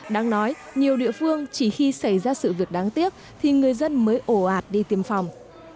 đáng nói nhiều địa phương chỉ khi xảy ra sự việc đáng tiếc thì người dân mới ổ ạt đi tiêm phòng